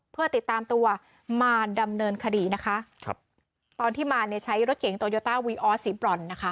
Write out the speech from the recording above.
เพื่อติดตามตัวมาดำเนินคดีนะคะครับตอนที่มาเนี่ยใช้รถเก๋งโตโยต้าวีออสสีบรอนนะคะ